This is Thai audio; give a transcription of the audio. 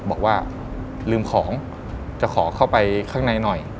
บอกว่าลืมของจะขอเข้าไปข้างในหน่อย